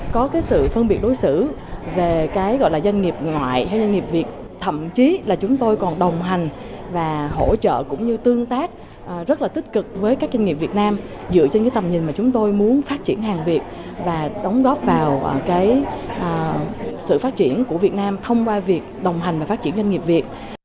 có cái sự phân biệt đối xử về cái gọi là doanh nghiệp ngoại hay doanh nghiệp việt thậm chí là chúng tôi còn đồng hành và hỗ trợ cũng như tương tác rất là tích cực với các doanh nghiệp việt nam dựa trên cái tầm nhìn mà chúng tôi muốn phát triển hàng việt và đóng góp vào cái sự phát triển của việt nam thông qua việc đồng hành và phát triển doanh nghiệp việt